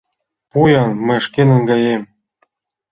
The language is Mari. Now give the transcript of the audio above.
— Пу-ян, мый шке наҥгаем.